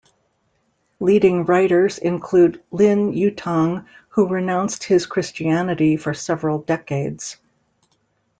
Leading writers include Lin Yutang, who renounced his Christianity for several decades.